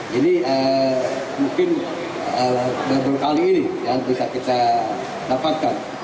jadi mungkin beberapa kali ini yang bisa kita dapatkan